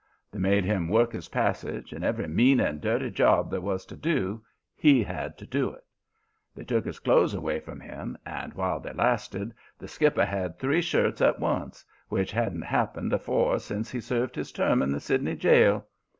They made him work his passage, and every mean and dirty job there was to do, he had to do it. They took his clothes away from him, and, while they lasted, the skipper had three shirts at once, which hadn't happened afore since he served his term in the Sydney jail.